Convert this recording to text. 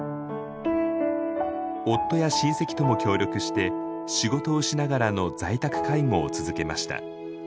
夫や親戚とも協力して仕事をしながらの在宅介護を続けました。